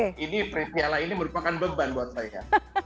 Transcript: jadi ini presiala ini merupakan beban buat saya